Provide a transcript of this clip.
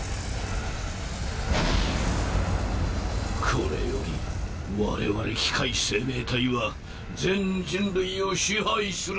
これより我々機械生命体は全人類を支配する。